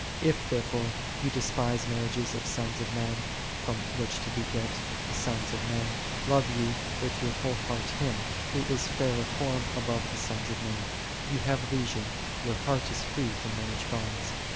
55. If, therefore, ye despise marriages of sons of men, from which to beget sons of men, love ye with your whole heart Him, Who is fair of form above the sons of men; ye have leisure; your heart is free from marriage bonds.